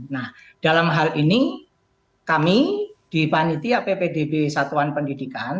nah dalam hal ini kami di panitia ppdb satuan pendidikan